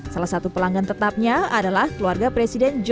salah satu pelanggan tetapnya adalah keluarga presiden jokowi